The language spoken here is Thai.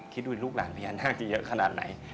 คิดดูลูกหลานพญานาคจะเยอะขนาดไหน